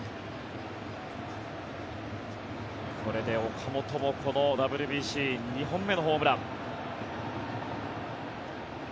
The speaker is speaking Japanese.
これで岡本もこのＷＢＣ２本目のホームラン。